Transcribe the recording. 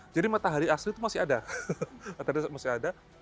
jadi matahari asli itu masih ada matahari masih ada